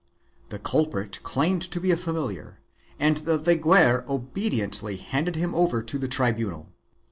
The culprit claimed to be a familiar and the veguer obediently handed him over to the tribunal.